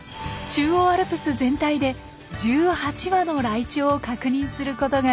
中央アルプス全体で１８羽のライチョウを確認することができました。